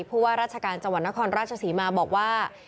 ผู้ว่าราชการจังหวัดนครราชศรีมาบอกว่า